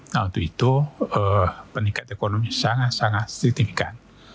nah untuk itu peningkatan ekonomi sangat sangat signifikan